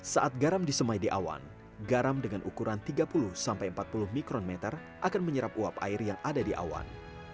saat garam disemai di awan garam dengan ukuran tiga puluh sampai empat puluh mikron meter akan menyerap uap air yang ada di awan